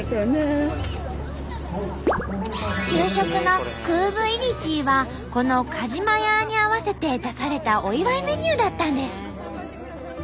給食のクーブイリチーはこのカジマヤーに合わせて出されたお祝いメニューだったんです。